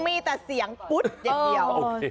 มีแต่เสียงปุ๊ตเดียว